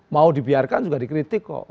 mau dibiarkan juga dikritik kok